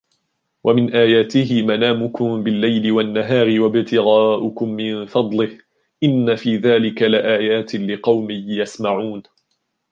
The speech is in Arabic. ومن آياته منامكم بالليل والنهار وابتغاؤكم من فضله إن في ذلك لآيات لقوم يسمعون